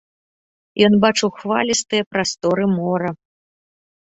Ён бачыў хвалістыя прасторы мора.